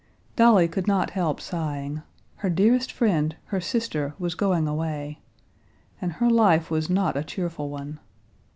Dolly could not help sighing. Her dearest friend, her sister, was going away. And her life was not a cheerful one.